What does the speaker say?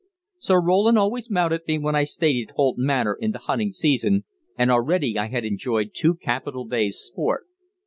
Sir Roland always mounted me when I stayed at Holt Manor in the hunting season, and already I had enjoyed two capital days' sport.